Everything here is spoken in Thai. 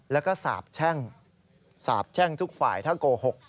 แล้วก็สาบแช่งสาบแช่งทุกฝ่ายถ้าโกหก